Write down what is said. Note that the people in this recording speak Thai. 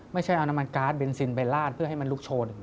ไม่ใช่เอาน้ำมันการ์ดเบนซินไปลาดเพื่อให้มันลุกโชน